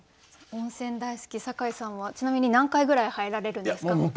温泉大好き酒井さんはちなみに何回ぐらい入られるんですか？